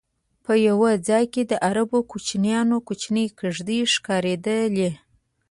په یو ځای کې د عربو کوچیانو کوچنۍ کېږدی ښکارېدلې.